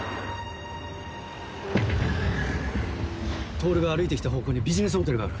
透が歩いて来た方向にビジネスホテルがある。